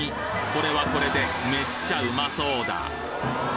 これはこれでめっちゃうまそうだ！